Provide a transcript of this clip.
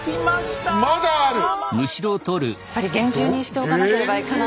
やっぱり厳重にしておかなければいけない。